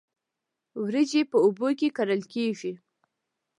وریجې په اوبو کې کرل کیږي